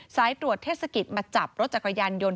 สายตรวจเทศกิจมาจับรถจักรยานยนต์